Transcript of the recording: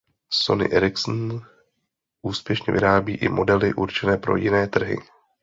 Sony Ericsson úspěšně vyrábí i modely určené pro jiné trhy.